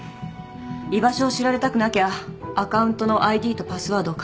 居場所を知られたくなきゃアカウントのＩＤとパスワードを変えてください。